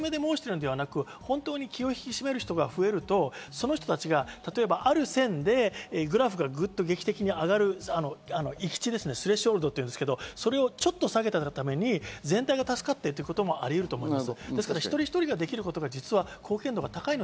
気休めで申しているのではなく、気を引き締める人が増えると、その人たちがある線でグラフから劇的に上がる、スレッショルドというんですが、それを避けたがために全体が助かってということもあると思います。